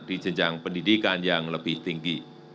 di jenjang pendidikan yang lebih tinggi